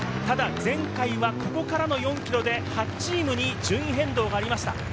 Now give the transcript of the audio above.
ただ前回はここからの４ｋｍで８チームに順位変動がありました。